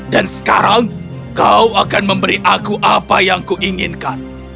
dan sekarang kau akan memberi aku apa yang kuinginkan